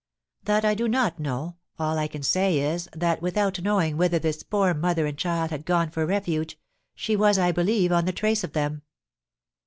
"That I do not know; all I can say is, that, without knowing whither this poor mother and child had gone for refuge, she was, I believe, on the trace of them."